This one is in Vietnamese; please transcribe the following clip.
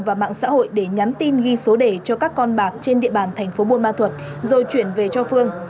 và mạng xã hội để nhắn tin ghi số đề cho các con bạc trên địa bàn thành phố buôn ma thuật rồi chuyển về cho phương